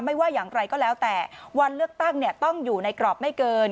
ไม่ว่าอย่างไรก็แล้วแต่วันเลือกตั้งต้องอยู่ในกรอบไม่เกิน